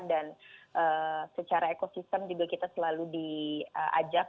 dan secara ekosistem juga kita selalu diajak